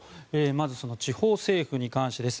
まず地方政府に関してです。